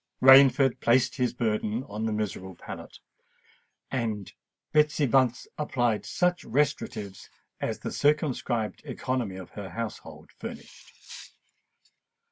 Rainford placed his burden on the miserable pallet, and Betsy Bunce applied such restoratives as the circumscribed economy of her household furnished.